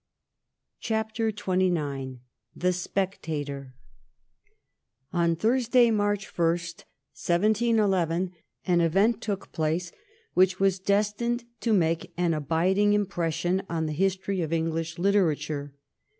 CHAPTER XXIX *THE SPECTATOB' On Thursday, March 1, 1711, an event took place which was destined to make an abiding impression on the history of English literature.